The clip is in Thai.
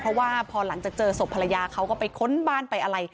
เพราะว่าพอหลังจากเจอศพภรรยาเขาก็ไปค้นบ้านไปอะไร